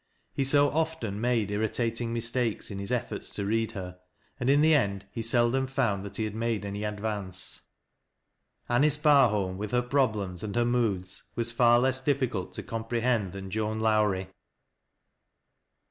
He so often made irritating mistakes in his efforts to read her, and in tlie end he seldom found that he had made any advance. Anice Barholm, with bei problems and her moods, was far less difficult to comp.' e hend than Joan Lowrie.